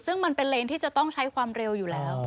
ซึ่งมันเป็นเลนที่จะต้องใช้ความเร็วอยู่แล้ว